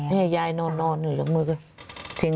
นี่ยายนอนนอนเหมือนกัน